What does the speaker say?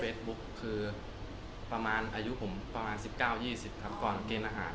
คือประมาณอายุผมประมาณ๑๙๒๐ครับก่อนเกณฑ์อาหาร